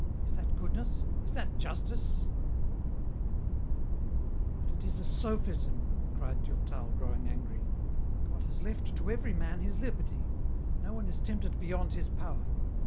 Is that goodness, is that justice ?"" But it is a sophism," cried Durtal, growing angry, " God has left to every man his liberty ; no one is tempted beyond his power.